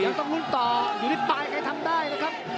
เดี๋ยวต้องลุ้นต่ออยู่ที่ปลายใครทำได้นะครับ